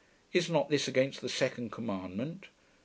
Is not this against the second commandment?'